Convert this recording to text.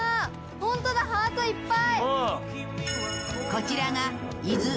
ホントだ、ハートいっぱい。